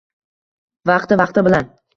Vaqti-vaqti bilan